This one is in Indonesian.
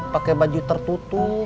pakai baju tertutup